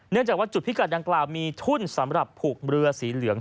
จากว่าจุดพิกัดดังกล่าวมีทุ่นสำหรับผูกเรือสีเหลือง